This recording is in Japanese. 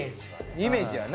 イメージはな。